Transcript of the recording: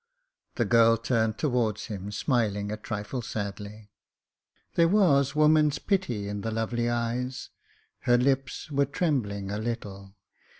The girl turned towards him, smiling a trifle sadly. There was woman's pity in the lovely eyes: her lips were trembling a little.